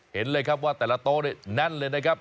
เห็นเลยครับว่าแต่ละโต๊ะเนี่ยแน่นเลยนะครับ